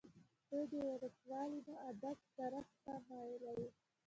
دوي د وړوکوالي نه ادب طرف ته مائله وو ۔